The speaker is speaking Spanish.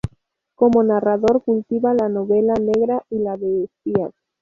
Como narrador cultiva la novela negra y la de espías.